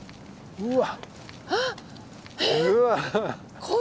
うわ。